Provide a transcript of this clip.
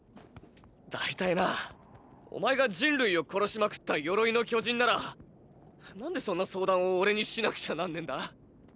大体なぁお前が人類を殺しまくった「鎧の巨人」なら何でそんな相談をオレにしなくちゃなんねぇんだ。